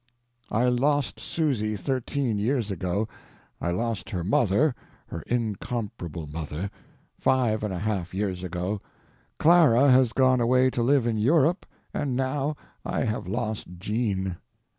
I lost Susy thirteen years ago; I lost her mother—her incomparable mother!—five and a half years ago; Clara has gone away to live in Europe; and now I have lost Jean.